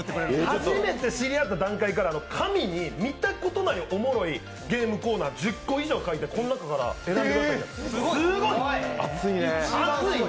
初めて知り合った段階から紙に見たこともないおもろいゲームコーナー１０個以上書いて、この中から選んでくださいって。